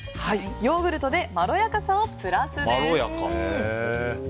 ヨーグルトでまろやかさをプラスです。